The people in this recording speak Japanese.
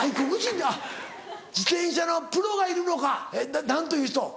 あっ自転車のプロがいるのか何という人？